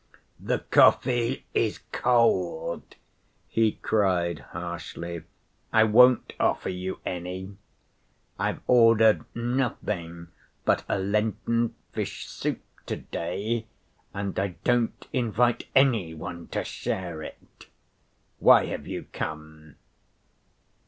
"The coffee is cold," he cried harshly; "I won't offer you any. I've ordered nothing but a Lenten fish soup to‐day, and I don't invite any one to share it. Why have you come?"